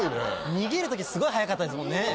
逃げる時すごい速かったですもんねぇ！